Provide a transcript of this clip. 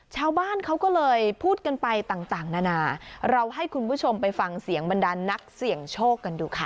ชาวบ้านเขาก็เลยพูดกันไปต่างนานาเราให้คุณผู้ชมไปฟังเสียงบรรดานนักเสี่ยงโชคกันดูค่ะ